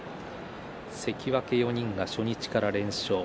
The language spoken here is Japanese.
関脇４人が初日から連勝。